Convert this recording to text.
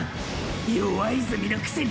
弱泉のくせに！！